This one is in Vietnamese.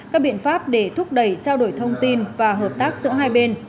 các biện pháp để thúc đẩy trao đổi thông tin và hợp tác giữa hai bên